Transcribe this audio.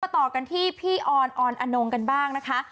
ต่อกันที่พี่ออนออนอนงกันบ้างนะคะ